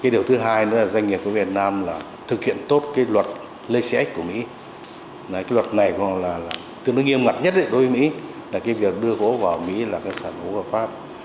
điều thứ hai nữa là doanh nghiệp của việt nam thực hiện tốt luật lacx của mỹ luật này tương đối nghiêm ngặt nhất đối với mỹ là việc đưa gỗ vào mỹ là sản gỗ vào pháp